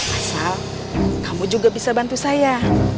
asal kamu juga bisa bantu saya